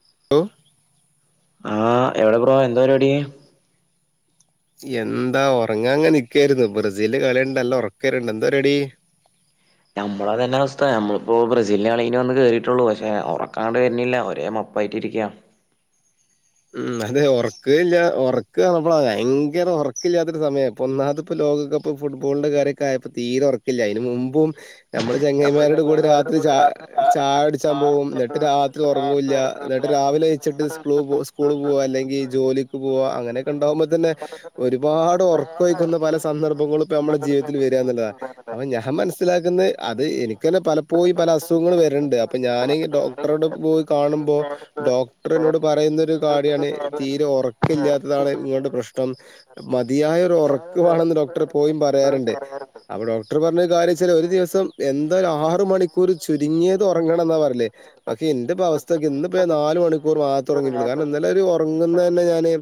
[inaudible] ആഹ് എവിടെ ബ്രോ എന്താ പരിപാടി എന്താ ഒർങ്ങാ അങ്ങെ നിക്കായ്ർന്നു ബ്രസീലിന്റെ കളിയണ്ട് നല്ല ഒർക്കരുണ്ട് എന്താ പരിപാടി നമ്മളതന്നെ അവസ്ഥ നമ്മള്പ്പോ ബ്രസീല് നെ കളി കഴിഞ്ഞ് വന്ന് കേറിട്ടുള്ളൂ പക്ഷെ ഒർക്കാണ്ട് വർന്നില്ല ഒരേ മൊ അപ്പ അയ്ടടിക്ക ഉം അതെ ഒറക്ക്ല്ല ഒറക്കപർഞ്ഞപ്പളാ ഭയങ്കര ഒറക്കില്ലാത്തൊരു സമയം ഇപ്പൊ ഒന്നാമത് ഇപ്പ ലോകകപ്പ് ഫുട്ബോളിന്റെ കാര്യൊക്കെ ആയപ്പ തീരെ ഒറക്കില്ല അതിന് മുമ്പും നമ്മുടെ ചങ്ങായിമാരോടെ കൂടെ രാത്രി ചാ ചായ കുട് ച്ചാൻ പോവും ന്നട്ട് രാത്രി ഒർങ്ങൂല്ല ന്നട്ട് രാവിലെ നീച്ചിട്ട് സ്‌കൂളി പോ സ്കൂ സ്കൂള് പോവാ അല്ലെങ്കിൽ ജോലിക്ക് പോകുവാ അങ്ങനെയൊക്കെ ഉണ്ടാവുമ്പോ തന്നെ ഒരുപാട് ഒർക്ക് ഒഴിക്കുന്ന പല സന്ദർഭങ്ങളും ഇപ്പ നമ്മുടെ ജീവിതത്തിൽ വെരാ എന്നുള്ളതാ അപ്പൊ ഞാൻ മനസ്സിലാക്കുന്നെ അത് എനിക്ക് തന്നെ പലപ്പോഴും പല അസുഖങ്ങ്ള് വർണ്ട് അപ്പൊ ഞാനി ഡോക്- ഡോക്ട്ടറോട് ‌ പോയി കാണുമ്പോ ഡോക്ട്ടറിനോട് പറയുന്നെരു കാടിയാണ് തീരെ ഒറക്കം ഇല്ല്യാത്തതാണ് ഇങ്ങടെ പ്രശ്നം. മതിയായരു ഒറക്ക് വേണെന്ന് ഡോക്ടറ് എപ്പോഴും പറയാറ്ണ്ട്. അപ്പൊ ഡോക്ട്ടറ് പർഞ്ഞ കാര്യച്ചാ ഒരു ദിവസം എന്താലു ആറ് മണിക്കൂർ ചുരുങ്ങിയത് ഒറങ്ങണം ന്നാ പറല്. പക്ഷെ എന്റെ ഇപ്പ അവസ്ഥ നോക്കിയെ ഇന്നിപ്പോ ഞാ ന്നാല് മണിക്കൂർ മാത്ര ഒറങ്ങിട്ടൊള്ളൂ കാരണം ഇന്നലെ ഒരു ഒറങ്ങുന്ന തന്നെ ഞാന്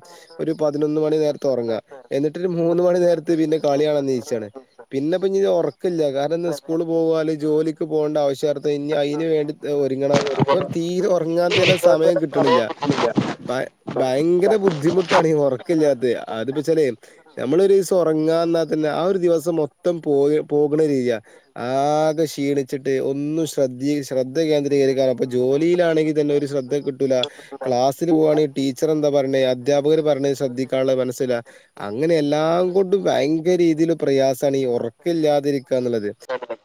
ഒരു പതിനൊന്ന് മണി നേരത്ത് ഒറങ്ങ എന്നിട്ടൊരു മൂന്ന് മണി നേരത്ത് പിന്നെ കളി കാണാൻ ന്നീച്ചാണ്. പിന്നെപ്പൊ ഇഞ്ഞിത് ഒറക്കില്ല കാരണം ന്ന് സ്കൂള് പോവാല് ജോലിക്ക് പോണ്ട ആവശ്യാർത്ഥം ഇൻഞ്ഞി അയ്ന് വേണ്ടി ദാ ഒരുങ്ങണം അപ്പൊ തീരെ ഒറങ്ങാൻ തന്നെ സമയം കിട്ട്ണില്ല. ഭ ഭയങ്കര ബുദ്ധിമുട്ടാണ് ഈ ഒറക്കല്ല്യാത്തെ അതിപ്പോ ച്ചാല് നമ്മളൊരീസം ഒറങ്ങാന്നാൽ തന്നെ ആ ഒരു ദിവസം മൊത്തം പോയി പോക്ണ രീയാ. ആകെ ക്ഷീണിച്ചിട്ട് ഒന്നും ശ്രദ്ധി ശ്രദ്ധ കേന്ദ്രീകരിക്കാൻ അപ്പൊ ജോലിയിലാണെങ്കി തന്നെ ഒരു ശ്ര കിട്ടൂലാ ക്ലാസ്സിന് പോവാണേ ടീച്ചറ് എന്താ പറയ്ണേ അധ്യാപകര് പറണേ ശ്രദ്ധിക്കാള്ള മനസ്സില്ലാ അങ്ങനെ എല്ലാം കൊണ്ടും ഭയങ്കര രീതീല് പ്രയാസാണ് ഈ ഒറക്ക ഇില്ലാതിരിക്ക ന്നുള്ളത്. [unintelligible]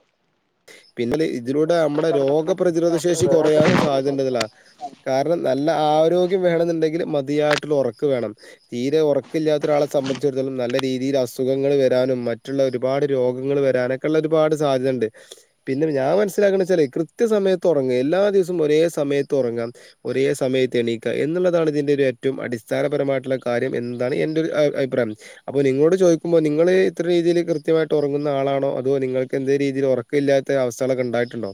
പിന്നെല്ലേ ഇതിലൂടെ നമ്മടെ രോഗപ്രതിരോധ ശേ ശേഷി കൊറയാനും സാധ്യത ഇണ്ട്ന്ന്ള്ളതാ കാരണം നല്ല ആ ഒരു വേണന്നുണ്ടെങ്കില് മതിയായിട്ടുള്ള ഒറക്ക് വേണം. തീരെ ഒറക്കല്ല്യാത്ത ഒരാളെ സംബന്ധിച്ചിടത്തോളം നല്ല രീതിയില് അസുഖങ്ങള് വരാനും മറ്റുള്ള ഒരുപാട് രോഗങ്ങള് വരാനൊ ക്കള്ള ഒരുപാട് സാധ്യതണ്ട്. പിന്നെ ഞാൻ മനസ്സിലാക്കണ ച്ചാലേ കൃത്യ സമയത്ത് ഒറങ്ങാ എല്ലാ ദിവസവും ഒരേ സമയത്ത് ഒറങ്ങാ. ഒരേ സമയത് എണീ ക്ക എന്നുള്ളതാണ് ഇതിൻ്റെ ഒരു ഏറ്റവും അടിസ്ഥാനപരമായിട്ടുള്ള കാര്യം എന്താണ് എൻ്റെ ഒരു അ അഭിപ്രായം. അപ്പൊ നിങ്ങളോട് ചോദിക്കുമ്പോ നിങ്ങള് ഇത്ര രീതീല് കൃത്യമായിട്ട് ഒറങ്ങുന്ന ആളാണോ അതോ നിങ്ങൾക്ക് എന്തേ രീതീല് ഒറ ക്കില്ലാത്ത അവസ്ഥാളൊക്കെ ണ്ടായിട്ടുണ്ടോ?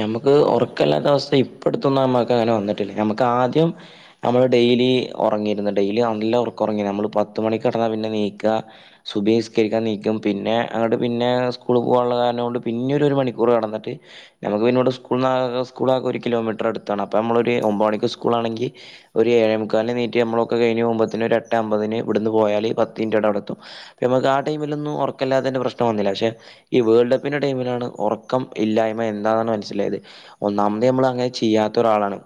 ഞമ്മക്ക് ഒറക്കല്ലാത്ത അവസ്ഥ ഇപ്പട്ത്തൊന്നും ഞമ്മക്ക് അങ്ങനെ വന്ന്ട്ടില്ല ഞമ്മക്കാ ആദ്യം നമ്മള് ഡെയിലി ഒറങ്ങിയിരുന്നു ഡെയിലി നല്ല ഒറക്കം ഒറങ്ങിന്നു നമ്മള് പത്ത് മണിക്ക് കടന്നാ പിന്നെ നീക്കാ സുബ്ഹി സ്കരിക്കാൻ നീക്കും പിന്നെ അങ്ങോട്ട് പിന്നെ സ്കൂള് പോവാള്ള കാരണം കൊണ്ട് പിന്നൊരു ഒരു മണിക്കൂർ കടന്ന് പി നമുക്ക് പിന്നെ ഇവടെ സ്കൂൾന്ന് ആകെ സ്കൂള് ആകെ ഒരു കിലോമീറ്റർ അടുത്താണ് അപ്പോ നമ്മളൊര് ഒമ്പത് മണിക്ക് സ്കൂളാണെങ്കി ഒരു ഏഴേ മുക്കാലിന് നീച്ചി നമ്മളൊക്കെ കഴിഞ്ഞു പോകുമ്പോത്തിന് ഒരു ഏട്ടേ അമ്പതിന് ഇവ്ടുന്ന് പോയാല് പത്ത് മിൻറ്റൊണ്ട് അവടെത്തും. നമുക്ക് ആ ടൈമിലൊന്നും ഒറക്കല്ലാതേന്റെ പ്രശ്നം വന്നില്ല പക്ഷെ ഈ വേൾഡ് കപ്പിന്റെ ടൈമിലാണ് ഒറക്കം ഇല്ലായ്മ എന്താണ് മനസ്സിലായത്. ഒന്നാമത് ഞമ്മള് അങ്ങനെ ചെയ്യാത്ത ഒരാളാണ്.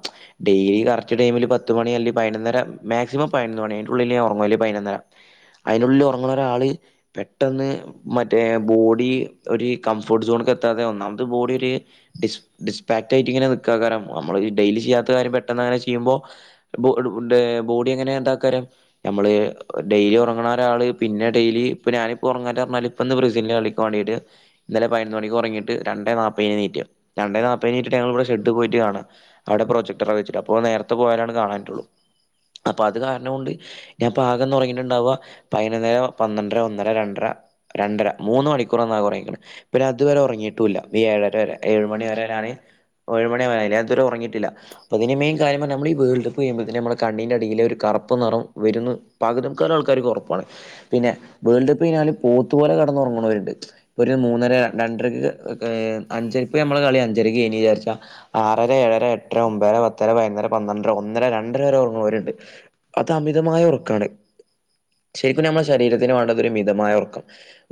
ഡെയിലി കറക്റ്റ് ടൈമില് പത്ത് മണി അല്ലെങ്കി പയിനൊന്നര മാക്സിമം പയിനൊന്ന് മണി അയിന്റെ ഉള്ളില് ഞാൻ ഒറങ്ങും അല്ലെങ്കി പയിനൊന്നര. അയിനുള്ളില് ഒറങ്ണ ഒരാള് പെട്ടെന്ന് മറ്റേ ബോഡീ ഒരു കംഫോർട്ട് സോൺക്ക് എത്താതെ ഒന്നാമത് ബോഡി ഡിസ് ഡിസ്പാക്ട് ആയിട്ട് ഇങ്ങനെ നിക്കാകാരം നമ്മളൊരു ഡെയിലി ചെയ്യാത്ത കാര്യം പെട്ടെന്ന് അങ്ങനെ ചെയ്യുമ്പോ ബോ ബോഡി എങ്ങനെ എന്താക്കാരം. ഞമ്മള് ഡെയിലി ഒറങ്ണ ഒരാള് പിന്നെ ഡെയിലി ഇപ്പൊ ഞാനിപ്പോ ഉറങ്ങല്ർഞ്ഞാല് ഇപ്പന്ന് ബ്രസീലിൻ്റെ കളിക്ക് വാണ്ടീട്ട് ഇന്നലെ പയിനൊന്ന് മണിക്ക് ഒറങ്ങീട്ട് രണ്ടേ നാപ്പ പ്പേ എണീറ്റ് രണ്ടേ നാപ്പേന്ന് എണീറ്റ്ട്ട് ഞങ്ങള് ഇവടെ ഷെഡ് പോയിട്ട് കാണാ അവടെ പ്രൊജക്ട്ടറേ വെച്ചിട്ട് അപ്പൊ നേരത്തെ പോയാലാണ് കാണാൻ പറ്റുള്ളൂ, അപ്പൊ അത് കാരണം കൊണ്ട് ഞാൻപ്പോ ആകെ ഇന്ന് ഒറങ്ങീട്ട് ണ്ടാവാ പയിനൊന്നര പന്ത്രണ്ടര ഒന്നര രണ്ടര രണ്ടര മൂന്ന് മണിക്കൂറാ ഇന്നാകെ ഒറങ്ങീക്ണ് പിന്നെ അതുവരെ ഒറങ്ങീട്ടൂല്ല ഈ ഏഴ ഏഴ് മണി വരെ ഞാന് ഒഴുമണി ആവയിലെ ഞാ ത് വരെ ഒറങ്ങീട്ടില്ല. അപ്പൊ ഇതിന്റെ മെയിൻ കാര്യം പറഞ്ഞാ നമ്മള് ഈ വേൾഡ് കപ്പ് കഴിയുമ്പോത്തിന് നമ്മളെ കണ്ണിന്റെ അടില് ഒരു കറപ്പ് നെറം വെര്ന്ന് പകുതി മുക്കാലാൾക്കാർക്കും ഒർപ്പാണ് പിന്നെ വേൾഡ് കപ്പ് കഴിഞ്ഞാല് പോത്ത് പോലെ കെടന്ന് ഒർങ്‌ണോര്ണ്ട് ഇപ്പൊ ഒരു മൂന്നര രണ്ടരയ്ക്ക് ഏ അഞ്ചര ഇപ്പ ഞമ്മളെ കളി അഞ്ചരക്ക് കഴിഞ്ഞ് ചാരിച്ചാ ആറര ഏഴര എട്ടര ഒമ്പത ര പത്തര പയ്ന്നൊര പന്ത്രണ്ടര ഒന്നര രണ്ടര വരെ ഒർങ്‌ണോര്ണ്ട് അത് അമിതമായ ഉറക്കാണ് ശെരിക്കും ഞമ്മളെ ശെരീരത്തിന് വാണ്ടതൊര് മിതമായ ഒറക്ക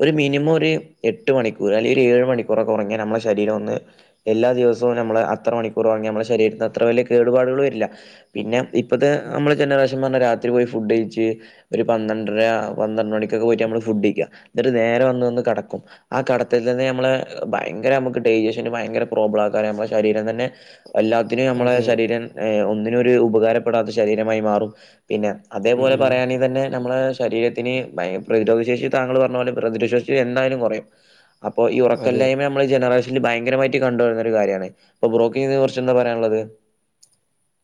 ഒരു മിനിമൊര് എട്ട് മണിക്കൂറ് അല്ലെങ്കി ഒരു ഏഴ് മണിക്കൂറൊക്കെ ഒറങ്ങിയാ ഞമ്മളെ ശരീരൊന്ന് എല്ലാ ദിവസവും നമ്മള് അത്ര മണിക്കൂറൊറങ്ങിയ നമ്മളെ ശെരീരത്തിനത്ര വല്യ കേടുപാടുകള് വരില്ല പിന്നെ ഇപ്പത്തെ നമ്മളെ ജനറേഷൻന്ന് പർഞ്ഞാ രാത്രി പോയി ഫുഡയ്ച്ച് ഒരു പന്ത്രണ്ടര പന്ത്രണ്ട് മണിക്കൊക്കെ പോയിട്ട് നമ്മള് ഫുഡയ്ക്ക ന്ന്ട്ട് നേരെ വന്ന് വന്ന് കടക്കും ആ കെടത്തിൽത്തന്നെ നമ്മള് ഭയങ്കരമ്മക്ക് ഡൈജഷന് ഭയങ്കര പ്രോബ്ലെക്കാരം ഞമ്മളെ ശരീരം തന്നെ എല്ലാത്തിനും ഞമ്മളെ അതെ ശരീരം ഏ ഒന്നിനും ഒര് ഉപകാരപ്പെടാത്ത ശെരീരമായി മാറും പിന്നെ ഉം അതേപോലെ ഉം. പറയാന് തന്നെ ഞമ്മളെ ശരീരത്തിന് ഭയ പ്രതിരോധശേഷി താങ്കൾ പറഞ്ഞ പോലെ പ്രതിരോധശേഷി എന്തായാലും കൊറയും അപ്പോ ഈ അതെ ഉറക്കല്ലായ്മ ഞമ്മളെ ജനറേഷ നിൽ ഭയങ്കരമായിട്ട് കണ്ടുവരുന്ന ഒരു കാര്യാണ് അപ്പോ ബ്രോ ക്കിതിനെ കുറിച്ചെന്താ പറയാനുള്ളത്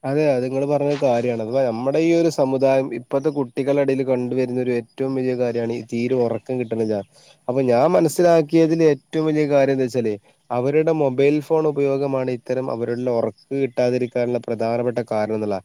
അതെ അത് ഇങ്ങള് പറഞ്ഞത് കാര്യാണ് അഥവാ നമ്മളീ ഒരു സമുദായം ഇപ്പത്തെ കുട്ടികളെടെല് കണ്ടുവരുന്നൊര് റ്റവും വല്യ കാര്യാണ് ഈ തീരെ ഒറക്കം കിട്ട്ണില്ലാ അപ്പോ ഞാൻ മനസ്സിലാക്കിയതില് ഏറ്റവും വല്യ കാര്യന്തേച്ചാല് അവരുടെ മൊബൈൽ ഫോൺ ഉപയോഗമാണ് ഇത്തരം അവരുടെ ഒറക്ക് കിട്ടാതിരിക്കാനുള്ള പ്രധാനപ്പെട്ട കാരണം ന്ന്ള്ള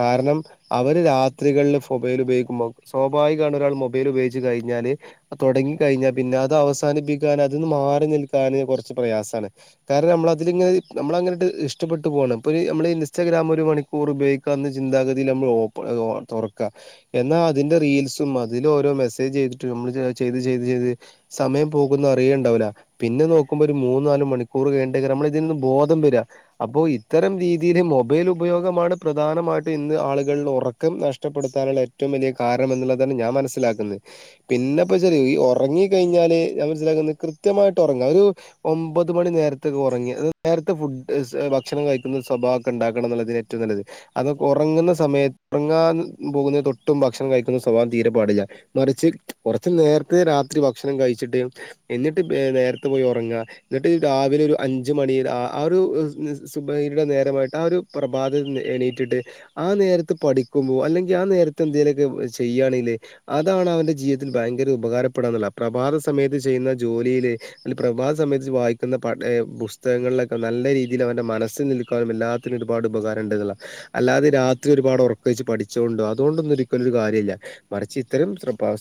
കാരണം അവര് രാത്രികൾല് മൊബൈൽ ഉപയോഗിക്കുമ്പോ സ്വാഭാവികാണ് ഒരാള് മൊബൈൽ ഉപയോഗിച്ച് കഴിഞ്ഞാല് അത് തൊടങ്ങി കഴിഞ്ഞ പിന്നെ അതവസാനിപ്പിക്കാന് അത് ന്ന് മാറി നിൽക്കാന് കൊർച്ച് പ്രയാസാണ് കാരണം നമ്മളതിൽ ഇങ്ങനെ നമ്മളങ്ങനെട്ട് ഇഷ്ടപ്പെട്ട് പോകാണ് ഇപ്പോര് നമ്മള് നിസ് ഇൻസ്റ്റഗ്രാം ഒരു മണിക്കൂർ ഉപയോഗിക്കാന്ന് ചിന്താഗതിയിൽ നമ്മള് ഓപ തൊറക്ക എന്നാ അതിന്റെ റീൽസും അതിലോരോ മെസ്സേജ് ചെയ്തിട്ടും നമ്മള് ചെയ്ത് ചെയ്ത് ചെയ്ത് സമയം പോകുന്ന അറിയെണ്ടാവുല പിന്നെ നോക്കുമ്പോ ഒരു മൂന്ന് നാല് മണിക്കൂർ കയിഞ്ട്ടേക്കാരം നമ്മള് ഇതിൽന്ന് ബോധം വെര അപ്പോ ഇത്തരം രീതില് മൊ ബൈൽ ഉപയോഗമാണ് പ്രധാനമായിട്ടും ഇന്ന് ആളുകൾല് ഒറക്കം നഷ്ടപ്പെടുത്താനുള്ള ഏറ്റവും വലിയ കാരണം ന്ന്ള്ളതാണ് ഞാൻ മനസ്സിലാക്കുന്നെ പിന്നെപ്പോച്ചാല് ഈ ഒറങ്ങി കയ്ഞ്ഞാല് ഞാൻ മനസിലാക്കുന്നത് കൃത്യമായിട്ടൊറങ്ങ ഒരു ഒമ്പത് മണിനേര്ത്ത്ക്ക്‌ ഒറങ്ങിയ നേരത്തെ ഫുഡ് ഭക്ഷണം കഴിക്കുന്ന സ്വഭാ ക്കെണ്ടാക്കണം ന്നുള്ളതിന് ഏറ്റവും നല്ലത് അതൊ ഒറങ്ങുന്ന സമയ ങ്ങാൻ പോകുന്ന തൊട്ടു മുമ്പ് ഭക്ഷണം കഴിക്കുന്ന സ്വഭാവം തീരെ പാടില്ല മറിച്ച് കൊർച്ച് നേര്ത്തെ രാത്രി ഭക്ഷണം കഴിച്ചിട്ട് ന്ന്ട്ട് എ നേരത്തെ പോയി ഒറങ്ങ ന്ന്ട്ട് രാവിലൊരു അഞ്ച് മണി ആഹ് ആഹ് ഒരു നിസ് സുബഹിടെ നേരമായി ആ ഒരു പ്രഭാതത്ത്ന്ന് എണീറ്റിട്ട് ആ നേരത്ത് പഠിക്കുമ്പോ അല്ലെങ്കിൽ ആ നേരത്ത് എന്തെലൊക്കെ ചെയ്യാണെല് അതാണ് അവന്റെ ജീവിതത്തില് ഭയങ്കര ഉപകാരപ്പെടാന്നുള്ള പ്രഭാത സമയത്ത് ചെയ്യുന്ന ജോലില് തില് പ്രഭാത സമയത്ത് വായിക്കുന്ന പ ഏ പുസ്തകങ്ങൾലൊക്കെ നല്ല രീതിലവന്റെ മനസ്ൽ നിൽക്കാനും എല്ലാ ത്തിലും ഒരുപാട് ഉപകാരണ്ട്ന്ന്ള്ള അല്ലാതെ രാത്രി ഒരുപാട് ഒർക്കൊയ്ച്ച് പഠിച്ചോണ്ടോ അതോണ്ടൊന്നും ഒരിക്കലൊരു കാര്യല്ല മറിച്ച് ഇത്രേം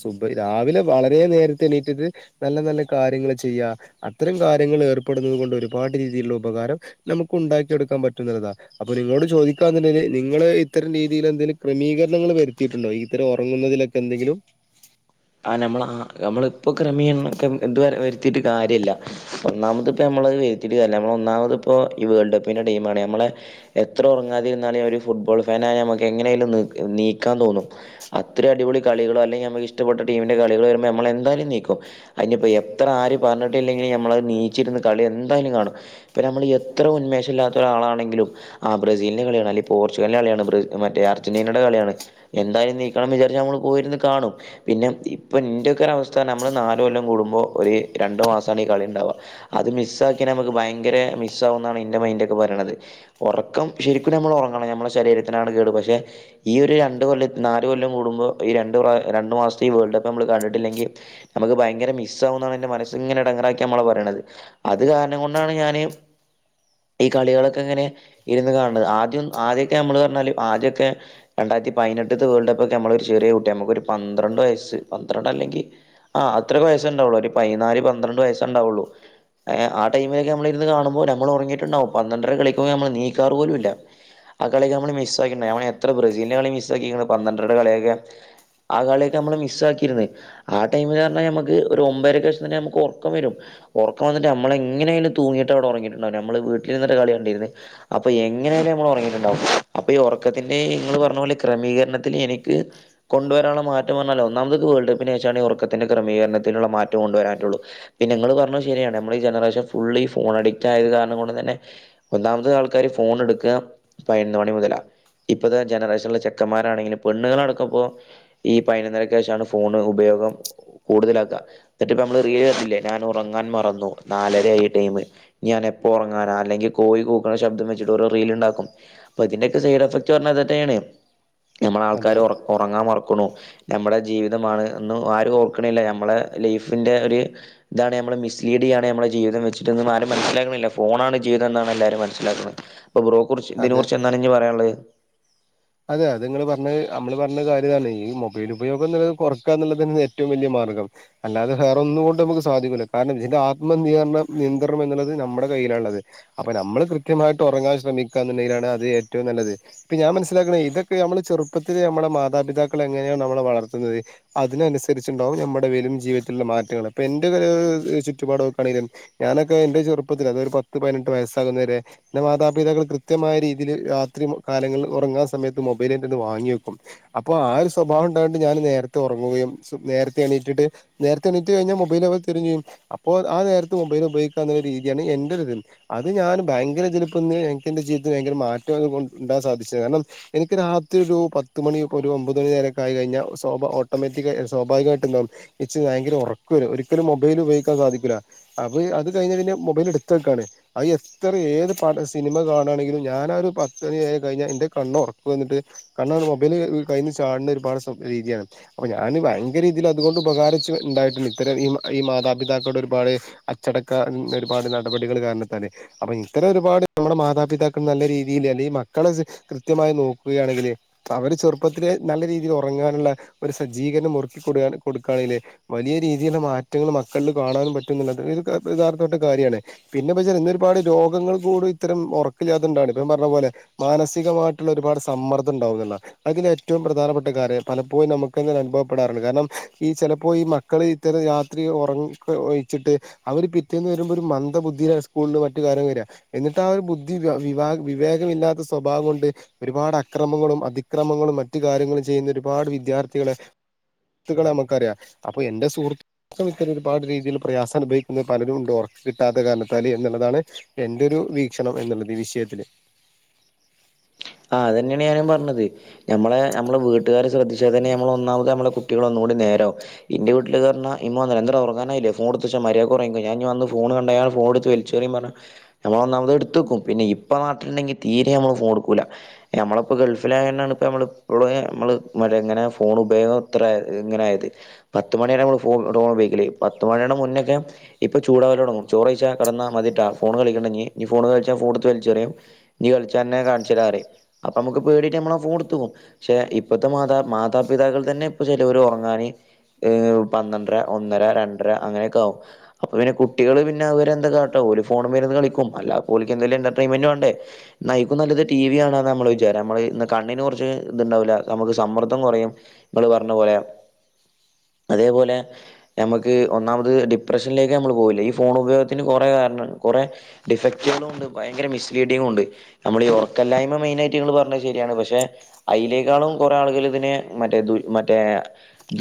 സുബ രാവിലെ വളരെ നേരത്തെ എണീറ്റിട്ട് നല്ല നല്ല കാര്യങ്ങള് ചെയ്യാ അത്തരം കാര്യങ്ങള് ഏർപ്പെടുന്നത് കൊണ്ട് ഒരുപാട് രീതിലുള്ള ഉപകാരം നമുക്ക് ഉണ്ടാക്കി എടുക്കാൻ പറ്റുന്നൊരിതാ അപ്പോലിങ്ങോട്ട് ചോദിക്കാന്ന്ണ്ടെങ്കി നിങ്ങള് ഇത്തരം രീതിലെഎന്തെലു ക്രമീകര്ണങ്ങൾ വര്ത്തീട്ട്ണ്ടോ ഈത്തര ഒർങ്ങുന്നതിലെ എന്തെങ്കിലും ആഹ് നമ്മള ആഹ് നമ്മള്പ്പോ ക്രമീര്ണംക്കെ ഉം ത്വരെ വര്ത്തീട്ട് കാര്യല്ല ഒന്നാമത്പ്പേ ഞമ്മള് വെര്ത്തീറ്റ് കാര്ല്ല ഞമ്മൾ ഒന്നാമത്പ്പോ ഈ വേൾഡ് കപ്പിന്റെ ടൈമാണ് യമ്മളെ എത്ര ഒറങ്ങാതിര്ന്നാണ് ഞാഒരു ഫുട്ബോൾ ഫേനായ യമ്മക്ക് എങ്ങനെലും ന് നീക്കാതോന്നും അത്രെടിപൊളി കളികളോ അല്ലങ്കി യമ്മക്ക് ഇഷ്ട പെട്ട ടീമിന്റെ കളികൾ വര്മ്പോ യമ്മൾ എന്തായലും നീക്കും അയ്ഞ്പ്പോ എത്ര ആര് പറഞ്ഞിട്ടില്ലെങ്കിലു യമ്മളത് ണീച്ചിര്ന്ന് കളി എന്തായാലും കാണും പ്പനമ്മള് എത്ര ഉന്മേഷല്ലാത്തൊ രാളാണെങ്കിലും ആഹ് ബ്രസീൽന്റെ കളിയാണ് അല്ലങ്കി പോർച്ചുഗൽന്റെ കളിയാണ് പ്രസ് മറ്റേ അർജന്റീനടെ കളിയാണ് എന്തായാലും നീക്കണം വിജാര്ച് നമ്മള്പോയിര്ന്ന് കാണും പിന്നെ ഇപ്പന്റെക്കെ ഒരവസ്ഥാർന ഞമ്മള് നാല് കൊല്ലം കൂടുമ്പോ ഒര് രണ്ടു മാസാണ് ഈ കളിണ്ടാവ അത് മിസ്സാക്യേനമക്ക് ഭയങ്കരെ മിസ്സാ വുന്നാണ് ഇന്റെ മൈൻന്റെക്കെ പറിണത് ഒറക്കം ശരിക്ക്ണ്ട് മ്മളൊറങ്ങണം നമ്മളെ ശരീരത്തിനാണ് കേട് പക്ഷേ ഈ ഒരു രണ്ട് കൊല്ലത് നാല് കൊല്ലം കൂടുമ്പോ ഈ രണ്ട് പ്ര രണ്ട് മാസ്ത്തെ ഈ വേൾഡ് കപ്പ് നമ്മൾ കണ്ടിട്ടില്ലെങ്കി അമക്ക് ഭയങ്കര മിസ്സാവുന്നാണ് എന്റെ മനസ്സ്ങ്ങെനെ എടങ്ങറാക്യ മ്മള്പറിണത് അത് കാര്നം കൊണ്ടാണ് ഞാന് ഈ കളികളൊക്കെങ്ങനെ ഇര്ന്ന് കാണ്ന്നത് ആദ്യം ആദ്യൊക്കെ യമ്മള് പർഞ്ഞാല് ആദ്യൊക്കെ രണ്ടായിര്ത്തി പയ്നെട്ട്ത്തെ വേൾഡ പ്പൊക്കെമ്മള് ഒര് ചെറ്യേകുട്ട്യാമക്കൊരു പന്ത്രണ്ടൊയ്സ് സ്റ്റ് പന്ത്രണ്ടല്ലെങ്കി ആഹ് അത്ര വയസാണ്ടാവൊള്ളു ഒര് പയ്നാല് പന്ത്രണ്ട് വയസാണ്ടാവൊള്ളു എ ആഹ് ടൈമക്കെ നമ്മള് ഇര്ന്ന് കാണുമ്പോ നമ്മളൊറങ്ങിട്ട്ണ്ടാവും പന്ത്രണ്ട്രര കളികൊക്കെ ഞമ്മള് നീക്കാറ് പോലുല്ല ആഹ് കളിയെകെ ഞമ്മള് മസ്സാക്കീണ്ടയമ്മ എത്ര ബ്രസീൽന്റെ കളി മിസ്സാക്കിക്ക്ണ് പന്ത്രണ്ട്രടെ കളിയൊക്കെ ആഹ് കളിയൊകെ യമ്മൾ മിസ് സ്റ്റാക്കീര്ന്നത് ആഹ് ടൈമ് അർഞ്ഞാ ഞമക്ക് ഒരു ഒമ്പരക്കേശ് തന്നെ യമക്ക് ഒർക്കം വരും ഒർക്കം വന്നിട്ട് യമ്മളങ്ങെയാലും തൂങ്ങിയിട്ടങ്ങട്ട് അങ്ങട്ടൊർങ്ങിയിണ്ടാവുലമ്മള് വീട്ടിൽ ര്ന്നിട്ട് കളി കണ്ടീര്ന്ന് അപ്പൊ എങ്ങനെയാലുമ്മളൊർങ്ങിയിട്ട്ണ്ടാവും അപ്പൊ ഈ ഉറക്കത്തിന്റെ നിങ്ങള് പർണപോലെ ക്രമീകരണത്തില് എനിക്ക് കൊണ്ടുവരാൻള്ള മാറ്റം പർഞ്ഞാ ഒന്നാമത്ക് വേൾ കപ്പിനേശാണ് ഒർക്കത്തിന്റെ ക്രമീകര്ണത്തിനുള്ള മാറ്റം കൊണ്ടുവരാൻറ്റൊള്ളു പിന്നെങ്ങള് പർഞ്ഞത് ശരിയാണ് നമ്മൾ ജനറേഷൻ ഫുള്ളീഫോണ ഡിക്റ്റായത് കാര്നംകൊണ്ട് തന്നെ ഒന്നാമത് ആൾക്കാര് ഫോൺട്ക്കാ പയ്ന്ന് മണി മുതലാ ഇപ്പത്തെ ജനറേഷൻലെ ചെക്കന്മാരാണെങ്കിലും പെണ്ണ്ങ്ങളടക്കംപ്പോ ഈ പൈനൊന്നര് കേഷാണ് ഫോണ് ഉപയോഗം കൂടുതല് ആക്കാ ന്നിട്ട്പ്പമ്മള് റീല് കൺലേ ഞാൻ ഉറങ്ങാൻ മറന്നു നാലരെയി ടൈമ് ന്യനെപ്പോ ഒർങ്ങാനാ അല്ലെങ്കി കോയി കൂഗ്ശബ്ദം വെച്ചിട്ടൊരുറീല്ണ്ടാക്കും പ്പതിന്റെക്കെ സൈഡ് എഫക്റ്റ് പർഞ്ഞ തന്നെണ് അതെ നമ്മളാൾക്കരൊറ് ഒറങ്ങാമറക്ക്ണു ഞമ്മടെ ജീവിതമാണ്ന്ന് ആരു ഓർക്ണില്ല നമ്മളെ ലൈഫ്ന്റെ ഒര് താണ് ഞമ്മള് മിസ്ലീഡിയ്യാണ് ഞമ്മളെ ജീവിതം വെച്ചിട്ടന്നും ആരും മനസ്സിലാക്ക്ന്നില്ല ഫോണാണ് ജീവിതം ന്നാണ് എല്ലാരും മനസ്സിലാക്ക്ണ് പ്പൊബ്രോ കുറിച്ച് ഇതിന അതെ കുറിച്ച് എന്നാണ്ഞ്ഞ് പറ്യള്ളത് അതെ അത് ങ്ങള് പർഞ്ഞത് അമ്മള് പർഞ്ഞ കാര്യതാണ് ഈ മൊബൈല് ഉപയോഗംന്ന്ള്ളത് കൊറക്കാന്ന്‌ള്ളത ന്നെണ് ഏറ്റവും വല്യയ മാർഗ്ഗം അല്ലാതെ ഹേറൊന്നു കൊണ്ട്മ്ക്ക് സാധിക്ക്ണ്ട് കാര്ണംന്ത് ചാആത്മ ന്ത്യർനിയന്ത്രണം എന്നുള്ളത് നംടെ കയ്യിലാള്ളത് അപ്പൊ നമ്മള് കൃത്യമായിട്ട് ഒറങ്ങാൻ ശ്രമിക്കാന്ന്ണ്ടെങ്കിലാണ് അത് ഏറ്റവും നല്ലത് ഇപ്പൊ ഞാൻ മനസ് മനസ്സിലാക്കണ ഇതൊക്കെ നമ്മള് ചെറുപ്പത്തില് യമ്മടെ മാതാപിതാക്കളെങ്ങനെ നമ്മളെ വളർത്തുന്നത് അതിനൻസരിച്ചുണ്ടാകും ഞമ്മടെ വേലും ജീവിതത്തിൽള്ള മാറ്റങ്ങള് പ്പെ ന്റെ ഒര് ചുറ്റുപാടോക്കാണെങ്കിലും ഞാനൊക്കെ ഇന്റെ ചെറുപ്പത്തില് അത് ഒര് പത്ത് പയ്നെട്ട് വയസ്സാകുന്നവരെ ന്റെ മാതാപിതാക്കൾ കൃത്യമായ രീതിയില് രാത്രിമു കാലങ്ങൾല് ഒറങ്ങാസമയത്ത് മൊബൈല്ന്റെറര്ത് ന്ന് വാങ്ങി വെക്കും അപ്പൊ ആഹ് ഒര് സ്വഭാവംണ്ടായോണ്ട് ഞാന് നേരത്തെ ഒറങ്ങുകയും സുബ് നേരത്തെ എണീറ്റിട്ട് നേരത്തെ എണീറ്റ് കയിഞ്ഞാ മൊബൈൽ അവ തരുംചിയ്യും അപ്പോ ആഹ് നേരത്ത് മൊബൈല് ഉപയോഗിക്കാന്നരു രീതിയാണ് എന്റരുത് അത് ഞാൻ ഭയങ്കര ഇതിലപ്പന്ന് എനക്ക് എന്റെ ജീവിതത്തിൽ ഭയങ്കര മാറ്റം ഉണ്ടാൻ സാധിച്ചത് കാരണം എനിക്ക് രാത്രി ഒരു പത്ത് മണി ഒരു ഒമ്പത് മണി നേരം ആയി കഴിഞാൽ സ്വാഭാവിക ഓട്ടോമാറ്റിക്കായി സ്വാഭാവികമായിട്ട്ണ്ടാവും ഇച്ചി ഭയങ്കര ഉറക്ക് വരും ഒരിക്കലും മൊബൈൽ ഉപയോഗിക്കാൻ സാധിക്കൂല അ അത് കഴിഞ്ഞ പിന്നെ മൊബൈൽ എടുത്തക്കാണ് അത് എത്ര ഏത് പാട്ട സിനിമ കാണാണെങ്കിലും ഞാന ഒരു പത്ത്മനിയായി കഴിഞ്ഞാൽ എന്റെ നല്ല ഉറക്ക് വന്നിട്ട് കണ്ണണ് മൊബൈല് കഴയിൽനിന്ന് ചാടുന്ന ഒരുപാട് രീതിയാണ് അപ്പൊ ഞാന് ഭയങ്കര രീതിയിൽ അതുകൊണ്ട് ഉപകരിച്ച് ഉണ്ടായിട്ടില്ല ഇത്തരം ഈ ഈ മാതാപിതാക്കളുടെ ഒരുപാട് അച്ചടക്ക ഒരുപാട് നടപടികൾ കാരണതാൽ അപ്പൊ ഇത്തര ഒരുപാട് നമ്മുടെ മാതാപിതാക്കൾ നല്ല രീതിയിൽ അല്ലെങ്കിൽ മക്കളെ കൃത്യമായി നോക്കുകയാണെങ്കില് അവര് ചെറുപ്പത്തിൽ നല്ല രീതിയിൽ ഉറങ്ങാനുള്ള ഒരു സജ്ജീകരണം ഒരു ക്കി കൊടു കൊടുക്കുകയാണെങ്കിൽ വലിയ രീതിയിലുള്ള മാറ്റങ്ങൾ മക്കളിൽ കാണാനും പറ്റും എന്നുള്ളത് ഒരു യഥാർത്ഥപ്പെട്ട കാര്യമാണ് പിന്നെ വച്ചാ ഇന്നരുപാട് രോഗങ്ങൾ കൂടി ഇത്തരം ഉറക്കില്ലാതണ്ടാണ് ഇപ്പ പറഞ്ഞ പോലെ മാനസികമായിട്ട് ഒരുപാട് സമ്മർദ്ദം ഉണ്ടാവുന്നില്ല അതില ഏറ്റവും പ്രധാനപ്പെട്ട കാര്യം പലപ്പോഴും നമുക്ക് അനുഭവപ്പെടാറുണ്ട് കാരണം ഈ ചിലപ്പോൾ ഈ മക്കൾ ഇത്തരം രാത്രി ഉറക്ക് ഒഴിച്ചിട്ട് അവര് പിറ്റേന്ന് വരുമ്പോഒരു മന്ദ ബുദ്ധി സ്കൂളില് മറ്റു [unintelligible] എന്നിട്ട് ആ ഒരു ബുദ്ധി വിവാ വിവേകമ ഇില്ലാത്ത സ്വഭാവം കൊണ്ട് ഒരുപാട് അക്രമങ്ങളും അതിക്രമങ്ങളും മറ്റു കാര്യങ്ങളും ചെയ്യുന്ന ഒരുപാട് വിദ്യാർത്ഥികളെ സുഹൃത്തുകളെ നമുക്കറിയാം അപ്പൊ എന്റെ സുഹൃ ഇത്തരം ഒരുപാട് രീതിയിൽ പ്രയാസ അനുഭവിക്കുന്നത് പലരും ഉണ്ട് ഉറക്ക് കിട്ടാത്ത കാരണത്താൽ എന്നുള്ളതാണ് എന്തരു വീക്ഷണം എന്നുള്ളത് ഈ വിഷയത്തില് ആ അതെന്നെയാണ് ഞാനും പറഞ്ഞത് നമ്മളെ നമ്മള് വീട്ടുകാര് ശ്രധിച്ചാൽ തന്നെ നമ്മൾ ഒന്നാമത് നമ്മളെ കുട്ടികളൊന്നുകൂടി നേരാവും എന്റെ വീട്ടില് ഇത് അറിഞ്ഞാ ഉമ്മ ഉറങ്ങാനായില്ലേ ഫോൺ എടുത്ത് വെച്ചോ മരിയാദിക് ഉറങ്ങിക്കോ ഞാൻ ഇനി വന്ന് ഫോൺ കണ്ടാ ഞാൻ ഫോൺ എടുത്ത് വ [unintelligible] പറഞ്ഞ ഞമ്മളന്നാമത് എടുത്ത്വെക്കും പിന്നെ ഇപ്പ നട്ടുണ്ടെങ്കിൽ തീരെ നമ്മള് ഫോൺഎടൂക്കൂല്ല. നമ്മള ഇപ്പ ഗൾഫിലായാണ് ഇപ്പ നമ്മള ഇപ്പോള നമ്മള് മറ്റ എങ്ങനെ ഫോൺ ഉപയോഗം ഇത്ര ആയത് ഇങ്ങനെയായത് പത്ത്മണി വരെ നമ്മൾ ഫോൺ ഉപയോഗിക്കലേനി പത്ത് മണിയുടെമുന്നേ ഒക്കെ ഇപ്പൊ ചൂടാവലോടങ്ങും ചോറഴച കടന്നാ മതിട്ടാ ഫോൺകളിക്കണ്ടീ ഇനി ഫോൺ കളിച്ചാ ഫോൺ എടുത്ത് വലിച്ചെറിയും ഞ്കളിച്ച അന്നെ ഞാൻ കാണിച്ചിരാന്ന് പറിയും അപ്പൊ നമ്മുക്ക് പേടിച്ചിട്ട് നമ്മ ഫോൺ എടുത്ത്പോകും പക്ഷെ ഇപ്പത്തെ മാതാ മാതാപിതാക്കൾ തന്നെ ഇപ്പൊ ചിലർ ഉറങ്ങാന് പന്ത്രണ്ടര ഒന്നര രണ്ടര അങ്ങനെയൊക്കെ ആകും അപ്പൾ പിന്നെ കുട്ടികൾ പിന്നെ അവരെന്താ കാട്ട ഒരു ഫോൺ മൽ ഇ രുന്ന് കളിക്കും അല്ലാതെ ഓൽക്ക് എന്തെലും എന്റർടെയ്മെൻ്റ് വേണ്ടേ നയിക്കും നല്ലത് ടി വി ആണ് നമ്മൾ വിചാരം നമ്മള് കണ്ണിന് കുറച്ച് ഇത്ണ്ടാവില്ല നമ്മക്ക് സമ്മർദ്ദം കുറയും നമ്മൾ പറഞ്ഞ പോലെ അതേപോലെ നമക്ക് ഒന്നാമത് ഡിപ്രഷനിലേക്ക് നമ്മൾ പോകില്ല ഈ ഫോൺ ഉപയോഗത്തിന് കുറേ കാരണം കുറേ ഡിഫക്റ്റീും ഉണ്ട് ഭയങ്കര മിസ്ലീഡിങ്ങും ഉണ്ട് നമ്മളെ ഈ ഉറക്കല്ലായ്മ മെയിന ആയിട്ട്ങ്ങള് പറഞ്ഞത് ശരിയാണ് പക്ഷെ അയ്ലേക്കാളും കുറെേ ആളുകൾ ഇതിനെ മറ്റേ മറ്റേ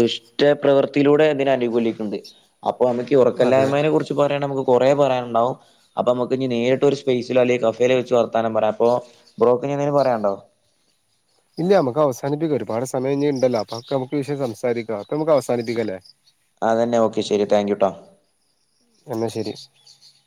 ദുഷ്ടപ്രവർത്തിയിലൂടെ അതിനെ അനുകൂലിക്കുണ്ട് അപ്പൊ നമുക്ക് അതെ ഉറക്കല്ലായ്മയെ കുറിച്ച് പറയാൻ നമുക്ക് കുറേ പറയാനുണ്ടാവും അപ്പൊ നമുക്ക് ഇനി നേരിട്ട് ഒരു സ്പേസിലോ അല്ലെ കഫേയിലോ വെച്ച് വർത്താനോ പറയാം അപ്പോ ബ്രോക്ക് ഇനി എന്തെങ്കും പറയാനുണ്ടോ ഇല്ല നമുക്ക് അവസാനപ്പിക്കാം ഒരുപാട് സമയം ഇനി ഇണ്ടല്ലോ അപ്പൊ നമുക്ക് വിഷയം സംസാരിക്കാം അപ്പൊ നമക്ക് അവസാനിപ്പിക്കാംല്ലേ അതന്നെ ഒക്കെ ശരി താങ്ക് യൂ ട്ടോ എന്നാ ശരി